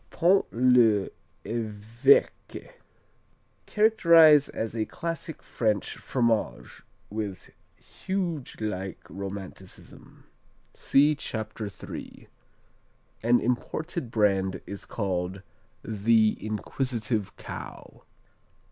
Pont l'Evêque Characterized as a classic French fromage "with Huge like Romanticism." (See Chapter 3.) An imported brand is called "The Inquisitive Cow."